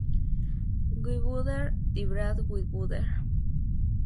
We Butter The Bread With Butter